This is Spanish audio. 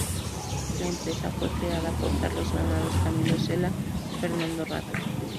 La empresa fue creada por Carlos Granados, Camilo Cela y Fernando Rada.